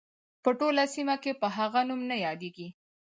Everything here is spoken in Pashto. په ټوله سیمه کې په هغه نوم نه یادیږي.